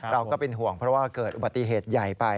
เราก็เป็นห่วงเพราะว่าเกิดปฏิเสธใหญ่ไป